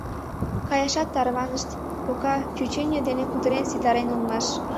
Каяшат тарванышт, кока чӱчӱньӧ дене кутырен ситарен улмаш.